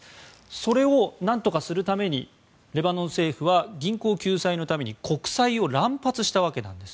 それを、何とかするためレバノン政府は銀行救済のため国債を乱発したわけなんです。